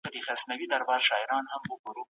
ایا ځايي کروندګر تور ممیز پروسس کوي؟